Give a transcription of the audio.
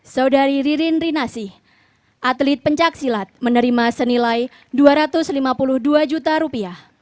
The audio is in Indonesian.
saudari ririn rinasih atlet pencaksilat menerima senilai rp dua ratus lima puluh dua juta rupiah